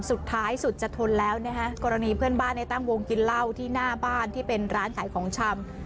สุดท้ายสุดจะทนแล้วนะฮะกรณีเพื่อนบ้านในตั้งวงกินเหล้าที่หน้าบ้านที่เป็นร้านขายของชำ